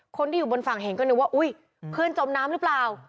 คนที่อยู่บนฝั่งเห็นก็นึกว่าอุ๊ยเพื่อนจมน้ำหรือเปล่า